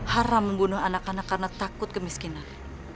haram membunuh anak anak karena takut kemiskinan